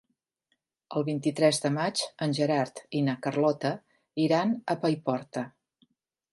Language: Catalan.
El vint-i-tres de maig en Gerard i na Carlota iran a Paiporta.